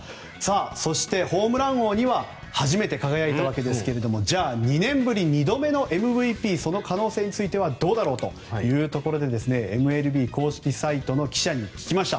そして、ホームラン王には初めて輝いたわけですがじゃあ、２年ぶり２度目のＭＶＰその可能性についてはどうだろうというところでＭＬＢ公式サイトの記者に聞きました。